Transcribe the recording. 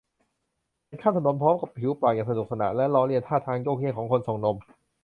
ฉันข้ามถนนพร้อมกับผิวปากอย่างสนุกสานและล้อเลียนท่าทางโยกเยกของคนส่งนม